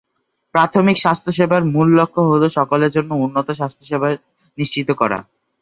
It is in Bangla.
প্রাথমিক স্বাস্থ্যসেবার মূল লক্ষ্য হলো সকলের জন্য উন্নত স্বাস্থ্যসেবা নিশ্চিত করা।